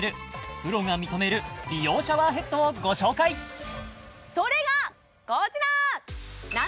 プロが認める美容シャワーヘッドをご紹介それがこちら！